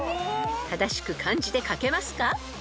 ［正しく漢字で書けますか？］